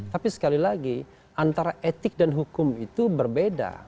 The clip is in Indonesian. tapi sekali lagi antara etik dan hukum itu berbeda